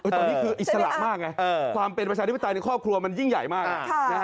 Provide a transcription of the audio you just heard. ตอนนี้คืออิสระมากไงความเป็นประชาธิปไตยในครอบครัวมันยิ่งใหญ่มาก